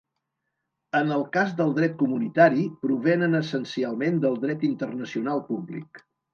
En el cas del dret comunitari, provenen essencialment del dret internacional públic.